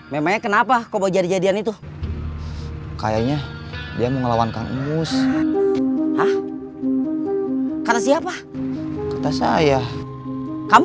mamanya kenapa kau mau jadi jadian itu kayaknya dia mau ngelawan kamu kata siapa kata saya kamu